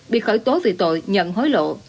bị khởi tố vì tội nhận hối lộ